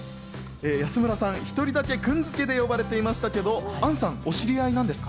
安村さん、一人だけ君付けで呼ばれていましたけど、杏さん、お知り合いなんですか？